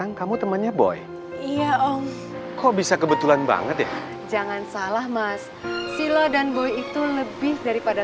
namanya boy iya om kok bisa kebetulan banget ya jangan salah mas sila dan boy itu lebih daripada